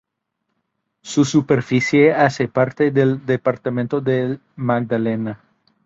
Su superficie hace parte del departamento del Magdalena.